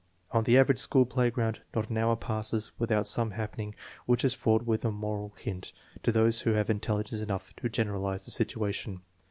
On the average school playground not an hour passes with out some happening which is fraught with a moral hint to those who have intelligence enough to generalize the situa tion.